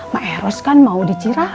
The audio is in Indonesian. ma eros kan mau dicirah